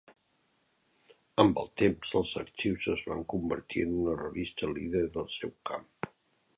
Amb el temps, els "Arxius" es van convertir en una revista líder del seu camp.